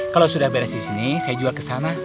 kalau sudah beres di sini saya juga ke sana